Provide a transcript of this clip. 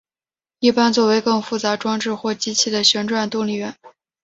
一般作为更复杂装置或机器的旋转动力源。